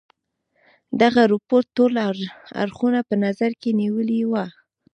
دغه رپوټ ټول اړخونه په نظر کې نیولي وه.